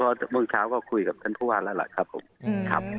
เพราะเมื่อเช้าก็คุยกับท่านพุทธว่าแล้วแหละครับผม